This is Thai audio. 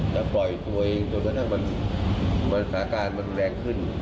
แล้วปล่อยตัวเองก็เลิกให้มันสากาลมันแรงขึ้น